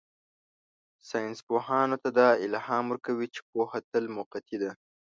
ساینسپوهانو ته دا الهام ورکوي چې پوهه تل موقتي ده.